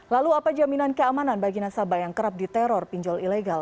lalu apa jaminan keamanan bagi nasabah yang kerap diteror pinjol ilegal